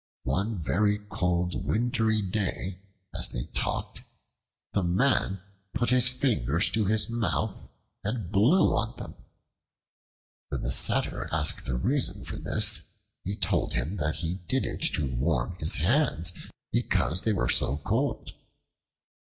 One very cold wintry day, as they talked, the Man put his fingers to his mouth and blew on them. When the Satyr asked the reason for this, he told him that he did it to warm his hands because they were so cold.